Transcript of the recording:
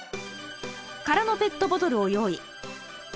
空のペットボトルを用意。